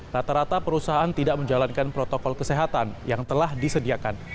rata rata perusahaan tidak menjalankan protokol kesehatan yang telah disediakan